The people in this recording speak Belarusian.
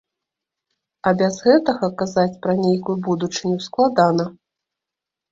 А без гэтага казаць пра нейкую будучыню складана.